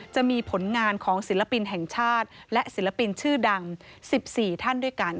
จะมีผลงานของศิลปินแห่งชาติและศิลปินชื่อดัง๑๔ท่านด้วยกัน